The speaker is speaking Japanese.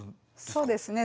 そうですね。